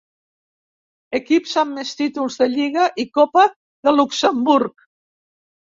Equips amb més títols de lliga i copa de Luxemburg.